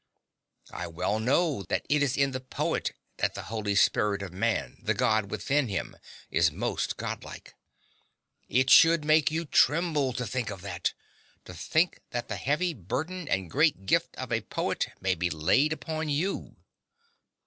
I well know that it is in the poet that the holy spirit of man the god within him is most godlike. It should make you tremble to think of that to think that the heavy burthen and great gift of a poet may be laid upon you.